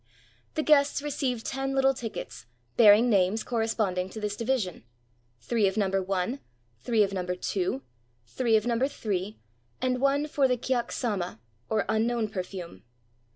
The guests receive ten little tickets, bearing names cor responding to this division — three of number one, three of number two, three of number three, and one for the kyaksama, or unknown perfume.